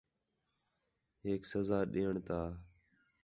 ہیک سزا ݙیئݨ تا